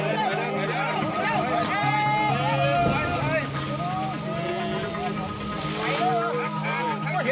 พวกมันกำลังพูดได้